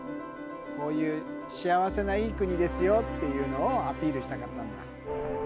こういう幸せないい国ですよっていうのをアピールしたかったんだ。